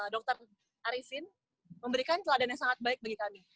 dokter arifin memberikan kelelahan yang sangat baik bagi kami